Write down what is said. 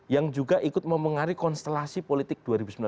yang juga ikut mempengaruhi konstelasi politik dua ribu sembilan belas